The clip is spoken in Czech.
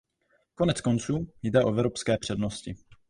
Koneckonců jde o evropské přednosti.